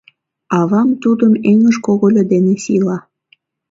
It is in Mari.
Авам тудым эҥыж когыльо дене сийла.